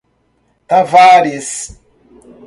Tavares